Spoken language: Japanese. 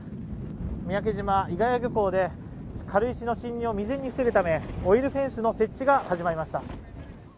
三宅島、伊ヶ谷漁港で軽石の侵入を未然に防ぐためオイルフェンスの設置が始まりました。